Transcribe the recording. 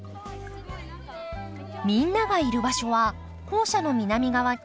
みんながいる場所は校舎の南側。